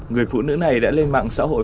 người phụ nữ này đã lên mạng xã hội